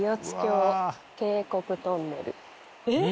えっ⁉